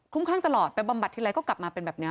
ข้างตลอดไปบำบัดทีไรก็กลับมาเป็นแบบนี้